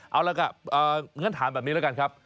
เอาละครับงั้นถามแบบนี้แล้วกันครับ